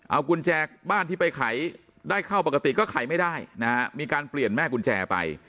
เอากุญแจบ้านที่ไปขายได้เข้าปกติก็ขายไม่ได้นะฮะมีการเปลี่ยนแม่กุญแจไป